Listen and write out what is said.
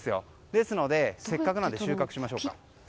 ですので、せっかくなので収穫しましょうか。